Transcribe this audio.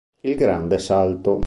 Il grande salto